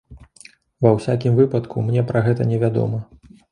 Ва ўсякім выпадку, мне пра гэта невядома.